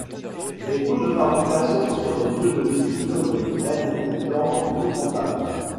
Les coûts de fabrication sur les lieux de culture des graines étant plus rentables.